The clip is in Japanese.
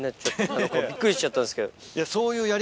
びっくりしちゃったんですけど。